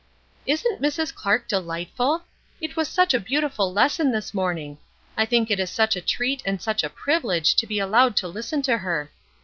"Isn't Mrs. Clark delightful? It was such a beautiful lesson this morning. I think it is such a treat and such a privilege to be allowed to listen to her.